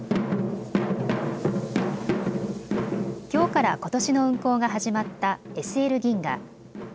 きょうからことしの運行が始まったＳＬ銀河。